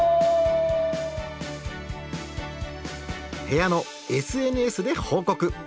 部屋のＳＮＳで報告。